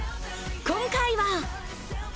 今回は。